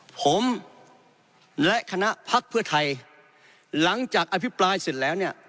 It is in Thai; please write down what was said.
ผมและคณะพักเพื่อไทยหลังจากอภิปรายเสร็จแล้วเนี่ย